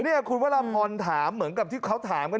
นี่คุณวรพรถามเหมือนกับที่เขาถามกัน